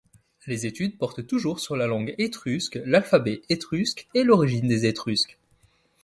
Les études portent toujours sur la langue étrusque, l'alphabet étrusque, et l'origine des Étrusques.